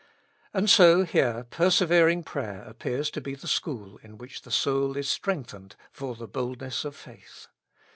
And so here persevering prayer appears to be the school in which the soul is strengthened for the boldness of faith.